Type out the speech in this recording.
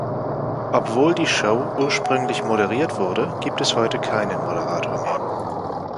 Obwohl die Show ursprünglich moderiert wurde, gibt es heute keinen Moderator mehr.